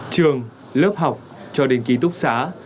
trường lớp học cho đến ký túc xá